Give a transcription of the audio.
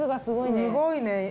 すごいね。